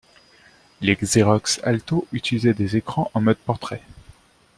Les Xerox Alto utilisaient des écrans en mode portrait.